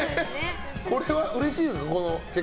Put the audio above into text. この結果、うれしいですか？